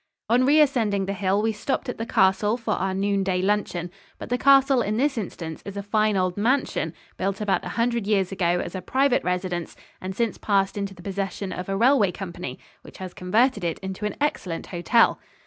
On re ascending the hill we stopped at the Castle for our noonday luncheon, but the castle in this instance is a fine old mansion built about a hundred years ago as a private residence and since passed into the possession of a railway company, which has converted it into an excellent hotel.